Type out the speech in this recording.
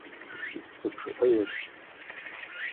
Псы чъыӏэ ешъу!